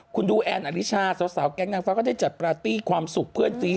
คุณดูแอนอลิชาสาวแก๊งนางฟ้าก็ได้จัดปาร์ตี้ความสุขเพื่อนซี